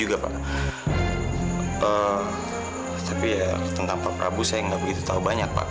kalau bisa jangan ya man